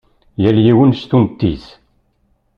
Yal yiwen s tunt-is.